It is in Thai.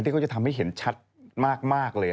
เขาจะทำให้เห็นชัดมากเลย